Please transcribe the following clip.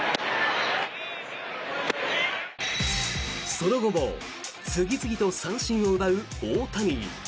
その後も次々と三振を奪う大谷。